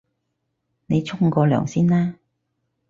你沖個涼先啦